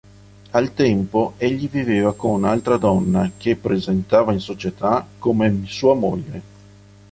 Al tempo egli viveva con un'altra donna che presentava in società come sua moglie.